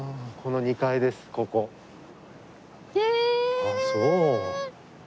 ああそう。